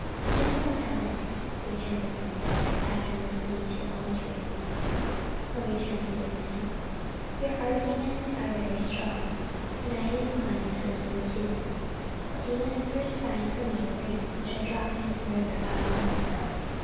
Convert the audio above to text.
"Gentle Avenant," returned the princess, after listening to all his reasons for her returning with him, "your arguments are very strong, and I am inclined to listen to them; but you must first find for me a ring, which I dropped into the river about a month ago.